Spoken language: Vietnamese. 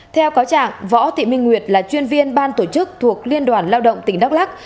theo cáo trạng võ thị minh nguyệt là chuyên viên ban tổ chức thuộc liên đoàn lao động tỉnh đắk lắc